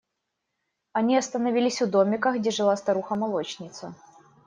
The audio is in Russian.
Они остановились у домика, где жила старуха молочница.